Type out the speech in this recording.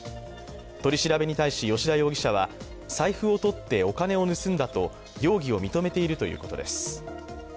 取り調べに対し、吉田容疑者は財布をとってお金を盗んだと容疑を認めているということです。